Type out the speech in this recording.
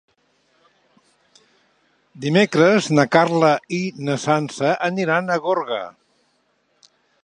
Dimecres na Carla i na Sança aniran a Gorga.